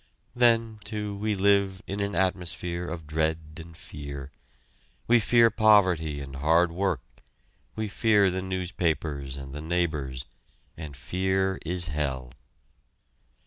Then, too, we live in an atmosphere of dread and fear we fear poverty and hard work we fear the newspapers and the neighbors, and fear is hell!